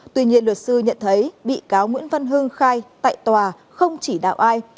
tuy nhiên luật sư nhận thấy bị cáo nguyễn văn hưng khai tại tòa không chỉ đạo ai